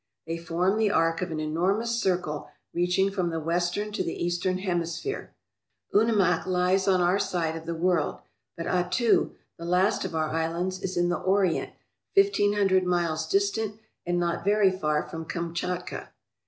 They form the arc of an enormous circle reaching from the western to the eastern hemisphere. Unimak lies on our side of the world, but Attu, the last of our islands, is in the Orient fifteen hundred miles distant and not very far from Kamchatka.